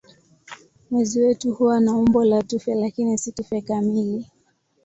Mwezi wetu huwa na umbo la tufe lakini si tufe kamili.